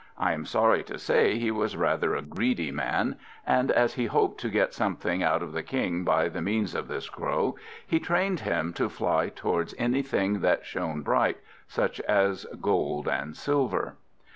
I am sorry to say he was rather a greedy man; and as he hoped to get something out of the King by the means of this Crow, he trained him to fly towards anything that shone bright, such as gold and silver.